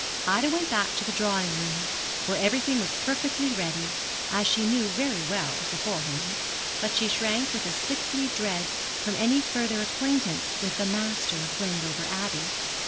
Ida went back to the drawing room, where everything was perfectly ready, as she knew very well beforehand; but she shrank with a sickly dread from any further acquaintance with the master of Wendover Abbey.